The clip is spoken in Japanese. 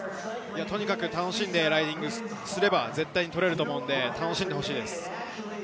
とにかく楽しんでライディングすれば絶対にとれると思うので楽しんでほしいです。